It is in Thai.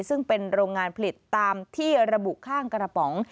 ซึ่งเป็นโรงงานผลิตตามที่ระบุข้างกระป๋อง